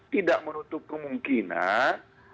tidak menutup kemungkinan